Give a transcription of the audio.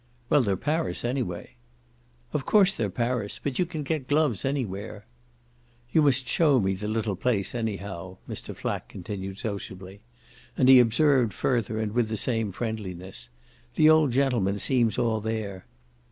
"Well, they're Paris anyway." "Of course they're Paris. But you can get gloves anywhere." "You must show me the little place anyhow," Mr. Flack continued sociably. And he observed further and with the same friendliness: "The old gentleman seems all there."